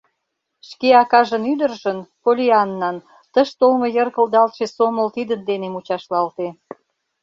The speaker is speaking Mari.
Шке акажын ӱдыржын, Поллианнан, тыш толмо йыр кылдалтше сомыл тидын дене мучашлалте.